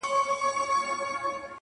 هره ورځ یې وي مرگی زموږ له زوره!